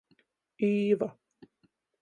Īva.